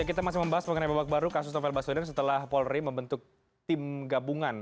kita masih membahas mengenai babak baru kasus novel baswedan setelah polri membentuk tim gabungan